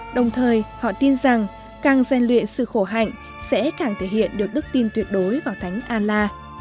đồng thời họ tin rằng càng gian luyện sự khổ hạnh sẽ càng thể hiện được đức tin tuyệt đối vào thánh an la